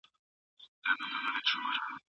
سیاست پوهنه د عقل او پوهې ستره پانګه ده.